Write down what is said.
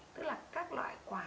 tức là các loại quả